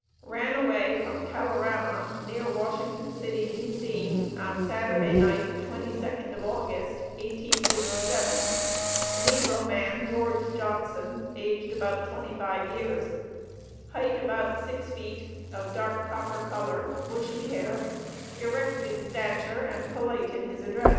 Ran away from Kalorama, near Washington City, D.C., on Saturday night, the 22d of August, 1857, negro man, George Johnson, aged about 25 years. Height about six feet; of dark copper color; bushy hair; erect in stature and polite in his address.